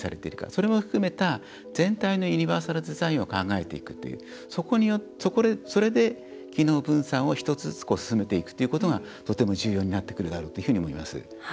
それも含めた全体のユニバーサルデザインを考えていくという、それで機能分散を１つずつ進めていくことがとても重要になってくると思います。